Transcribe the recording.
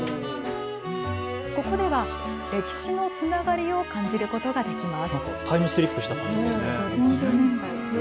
ここでは歴史のつながりを感じることができます。